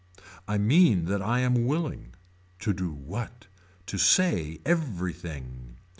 I mean that I am willing. To do what. To say everything.